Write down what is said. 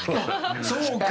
そうか！